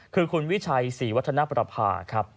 คือคุณวิชัยศรีวัฒนประภาครับ